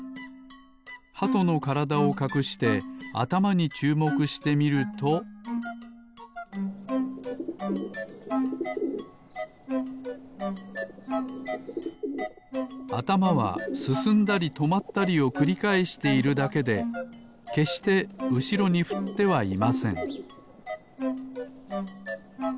ハトのからだをかくしてあたまにちゅうもくしてみるとあたまはすすんだりとまったりをくりかえしているだけでけっしてうしろにふってはいません